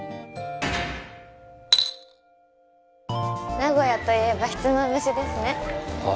名古屋といえばひつまぶしですねはあ？